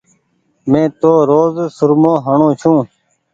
مي تو روز سرمو هڻو ڇون ۔